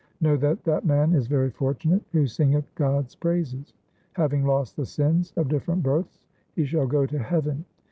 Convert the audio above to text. Know that that man is very fortunate who singeth God's praises ; Having lost the sins of different births he shall go to heaven.